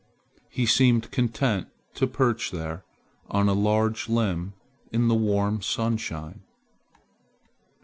He seemed content to perch there on a large limb in the warm sunshine.